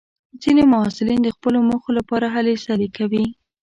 ځینې محصلین د خپلو موخو لپاره هلې ځلې کوي.